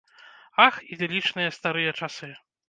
Ах, ідылічныя старыя часы!